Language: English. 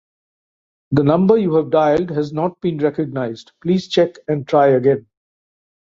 The number you have dialed has not been recognized, please check and try again